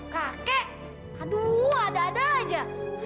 kakek aduh ada ada aja